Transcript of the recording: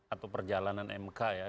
atau perjalanan mk ya